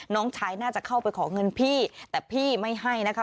น้องชายน่าจะเข้าไปขอเงินพี่แต่พี่ไม่ให้นะคะ